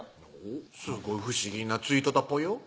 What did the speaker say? おっすごい不思議なツイートだぽよ